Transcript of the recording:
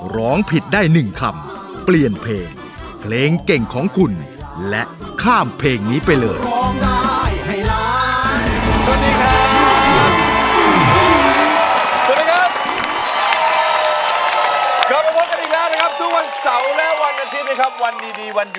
ร้องผิดได้๑คำเปลี่ยนเพลงเพลงเก่งของคุณและข้ามเพลงนี้ไปเลย